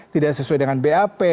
tidak sesuai dengan bap